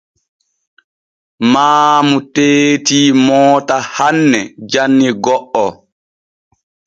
Maamu teeti moota hanne janni go’o.